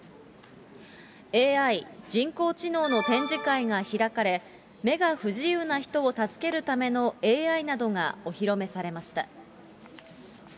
ＡＩ・人工知能の展示会が開かれ、目が不自由な人を助けるためのＡＩなどがお披露目されました。